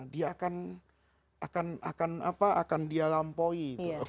dia akan dia lampaui